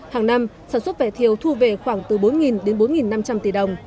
hàng năm sản xuất vải thiều thu về khoảng từ bốn đến bốn năm trăm linh tỷ đồng